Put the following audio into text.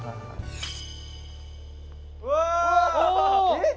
えっ！？